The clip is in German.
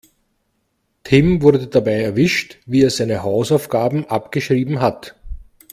Tim wurde dabei erwischt, wie er seine Hausaufgaben abgeschrieben hat.